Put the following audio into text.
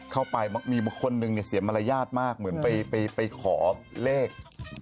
เข้าไปมีคนหนึ่งเสียมารยาทมากเหมือนไปขอเลข